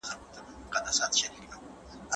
روغتیایي ټولنپوهان باید د خپلو ناروغانو مسؤلیت ومني.